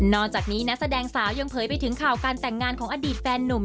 จากนี้นักแสดงสาวยังเผยไปถึงข่าวการแต่งงานของอดีตแฟนนุ่ม